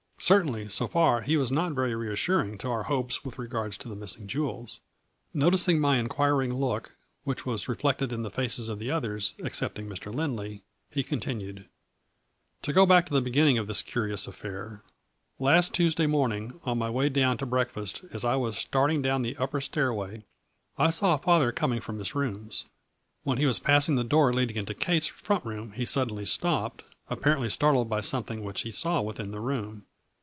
Certainly, so far he was not very reassuring to our hopes with regard to the missing jewels. Noticing my inquiring look, which was reflected in the faces of the others, excepting Mr. Lindley, he continued :" To go back to the beginningof this curious affair : Last Tuesday morning on my way down to breakfast, as I was starting down the upper stairway, I saw father coming from his rooms. When he was passing the door leading into Kate's front room he suddenly stopped, apparently startled by something which he saw within the room.